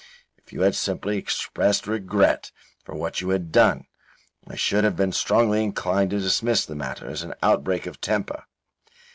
If you had simply expressed regret for what you had done, I should have been strongly inclined to dismiss the matter as an outbreak of temper.